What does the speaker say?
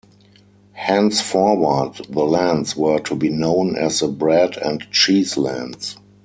Henceforward, the lands were to be known as the Bread and Cheese Lands.